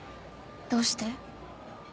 どうして？